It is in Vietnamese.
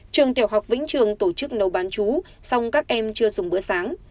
trường tiểu học vĩnh trường tổ chức nấu bán chú song các em chưa dùng bữa sáng